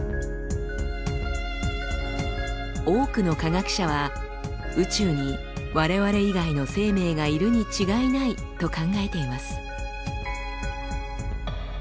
多くの科学者は宇宙に我々以外の生命がいるに違いないと考えています。